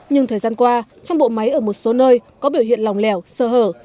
nhưng thời gian qua trong bộ máy ở một số nơi có biểu hiện lòng lẻo sơ hở